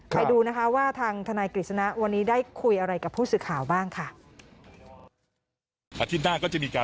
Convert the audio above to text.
ไปดูนะคะว่าทางทนายกฤษณะวันนี้ได้คุยอะไรกับผู้สื่อข่าวบ้างค่ะ